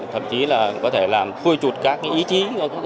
thậm chí là có thể làm khôi trụt các ý chí